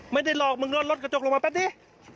ไม่ได้หลอกมึงแล้วรถกระจกลงมาแป๊บนี้